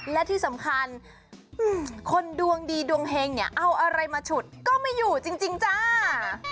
และที่สำคัญคนดวงดีดวงเฮงเนี่ยเอาอะไรมาฉุดก็ไม่อยู่จริงจ้า